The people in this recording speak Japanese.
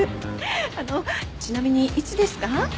あのちなみにいつですか？